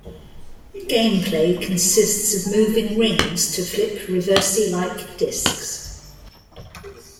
Gameplay consists of moving rings to flip Reversi-like discs.